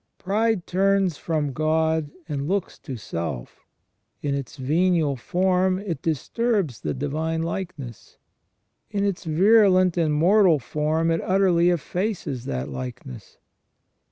Pride turns from God and looks to self; in its venial form it disturbs the divine likeness, in its virulent and mortal form it utterly effaces that likeness.